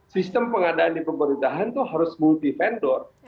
sistem pengadaan di pemerintahan itu harus multi vendor